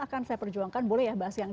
akan saya perjuangkan boleh ya bahas yang